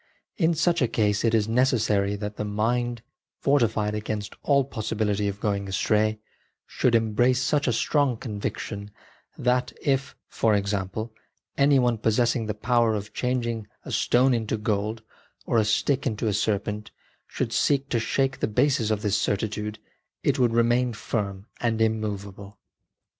In such a case it is necessary that the mind, fortified against all possibility of going astray, should embrace such a strong conviction that, if, for example, any one possessing the power of changing a stone into gold, or a stick into a serpent, should seek to shake the bases of this certitude, it would remain firm and immovable.